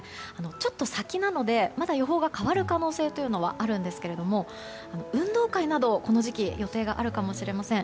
ちょっと先なので、まだ予報が変わる可能性はあるんですけれども運動会など、この時期予定があるかもしれません。